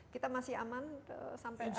kita masih aman sampai saat ini